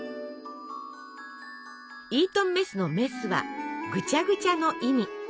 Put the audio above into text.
イートンメスの「メス」は「ぐちゃぐちゃ」の意味。